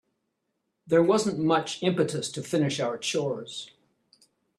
There wasn't much impetus to finish our chores.